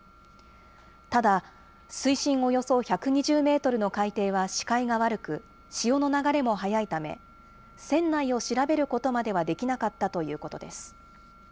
ただ、水深およそ１２０メートルの海底は視界が悪く、潮の流れも速いため、船内を調べることまではできなかったということです。